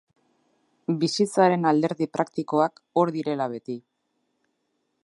Bizitzaren alderdi praktikoak hor direla beti.